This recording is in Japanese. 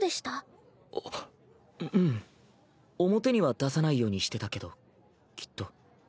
表には出さないようにしてたけどきっと。